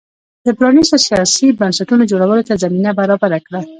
د پرانیستو سیاسي بنسټونو جوړولو ته زمینه برابره کړه.